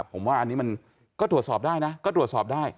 ผมว่าอันนี้มันก็ตรวจสอบได้นะก็ตรวจสอบได้